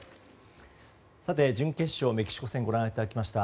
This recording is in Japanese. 準決勝、メキシコ戦をご覧いただきました。